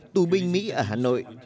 tù binh mỹ ở hà nội